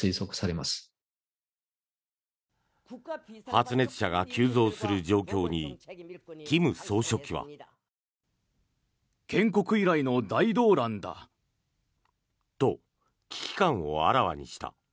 発熱者が急増する状況に金総書記は。と、危機感をあらわにした。